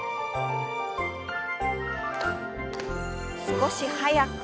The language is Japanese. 少し速く。